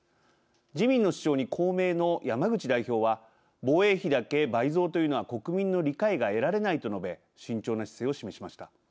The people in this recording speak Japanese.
自民の主張に公明の山口代表は防衛費だけ倍増というのは国民の理解が得られないと述べ慎重な姿勢を示しました。